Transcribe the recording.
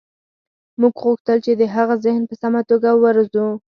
موږ غوښتل چې د هغه ذهن په سمه توګه وروزو